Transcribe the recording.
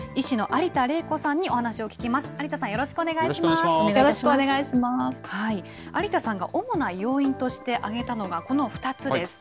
有田さんが主な要因として挙げたのは、この２つです。